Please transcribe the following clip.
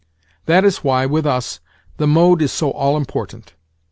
That is why, with us, the mode is so all important.